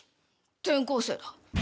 転校生だ。